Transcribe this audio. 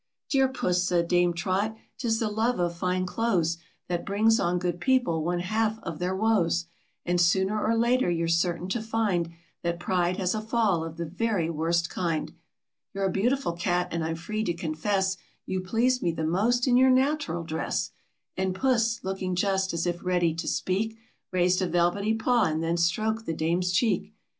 Dear Puss," said Dame Trot, "'tis the love of fine clothes, That brings on good people one half of their woes, And sooner or later you're certain to find That pride has a fall of the very worst kind. " You're a beautiful cat, and I'm free to confess, You please me the most in your natural dress;" And Puss, looking just as it ready to speak, Raised a velvety paw, and then stroked the Dame's cheek.